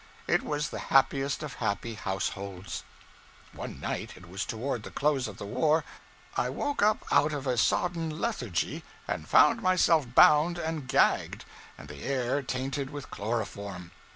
It was the happiest of happy households. One night it was toward the close of the war I woke up out of a sodden lethargy, and found myself bound and gagged, and the air tainted with chloroform!